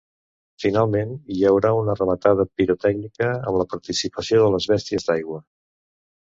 Finalment, hi haurà una rematada pirotècnica amb la participació de les bèsties d’aigua.